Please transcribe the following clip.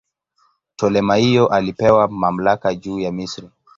Ptolemaio alipewa mamlaka juu ya Misri.